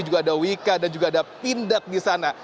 juga ada wika dan juga ada pindad di sana